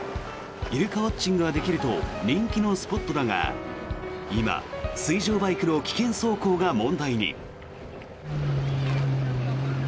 イルカウォッチングができると人気のスポットだが今、水上バイクの危険走行が問題に。